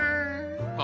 あ。